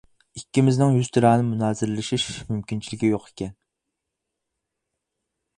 ئىككىمىزنىڭ يۈزتۇرا مۇنازىرىلىشىش مۇمكىنچىلىكى يوق ئىكەن.